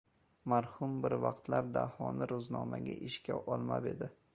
Marhum bir vaqtlar Dahoni ro‘znomaga ishga olmab edi.